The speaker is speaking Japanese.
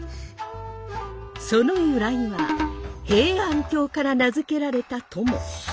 その由来は平安京から名付けられたとも。